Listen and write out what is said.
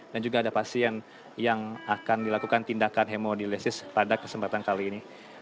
dan juga ada pasien yang akan dilakukan tindakan hemodialisis pada kesempatan kali ini